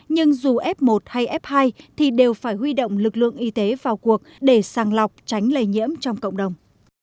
nhưng dù f một hay f hai thì đều phải huy động lực lượng y tế vào cuộc để sàng lọc tránh lây nhiễm trong cộng đồng